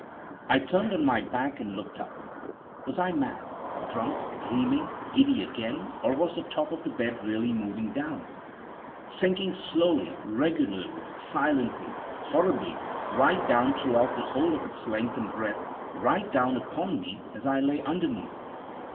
I turned on my back and looked up. Was I mad? drunk? dreaming? giddy again? or was the top of the bed really moving down — sinking slowly, regularly, silently, horribly, right down throughout the whole of its length and breadth — right down upon me, as I lay underneath?